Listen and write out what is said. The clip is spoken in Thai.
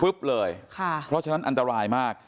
เลยเพราะฉะนั้นอันตรายมาก